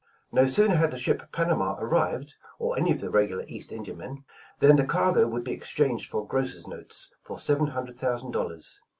"No sooner had the ship 'Panama' arrived, or any of the regular East Indiamen, then the cargo would be exchanged for grocers' notes, for seven hundred thou sand dollars.